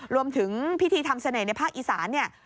รวมถึงพิธีทำเสน่ห์ในภาคอีสานเนี่ย